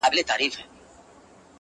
• د ملغلري یو آب دی چي ولاړ سي -